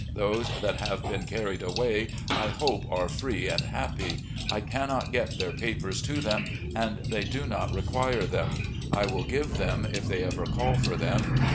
Those that have been carried away, I hope are free and happy ; I cannot get their papers to them, and they do not require them. I will give them if they ever call for them.